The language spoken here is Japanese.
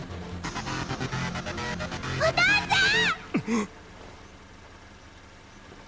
お父ちゃん！